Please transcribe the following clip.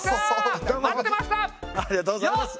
ありがとうございます。